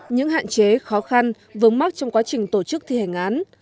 những hạn chế khó khăn vướng mắc trong quá trình tổ chức thi hành án